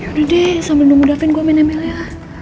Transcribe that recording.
yaudah deh sambil nunggu davin gue main ml ya